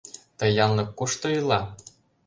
— Ты янлык кушто ила?